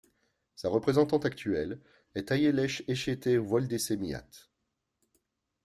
Sa représentante actuelle est Ayelech Eshete Wolde Semiat.